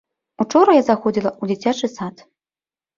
Учора я заходзіла ў дзіцячы сад.